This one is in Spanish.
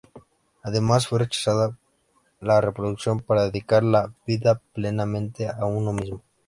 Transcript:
Además se rechazaba la reproducción para dedicar la vida plenamente a uno mismo.